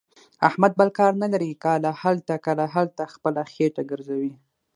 احمد بل کار نه لري. کله هلته، کله هلته، خپله خېټه ګرځوي.